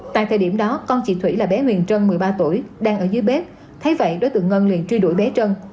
tại thời điểm đó con chị thủy là bé huyền trân một mươi ba tuổi đang ở dưới bếp thấy vậy đối tượng ngân liền truy đuổi bé trân